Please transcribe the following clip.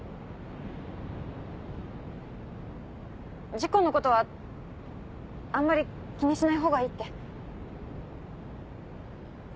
事故のことはあんまり気にしない方がいいって